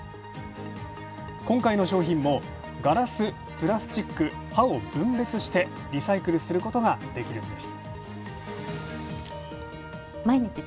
今回の商品もガラス、プラスチック、刃を分別してリサイクルすることができるんです。